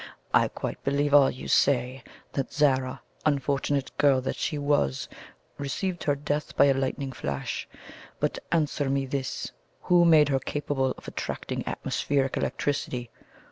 I quite believe all you say, that Zara, unfortunate girl that she was, received her death by a lightning flash. But answer me this: Who made her capable of attracting atmospheric electricity?